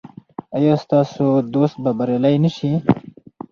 ایا ستاسو دوست به بریالی نه شي؟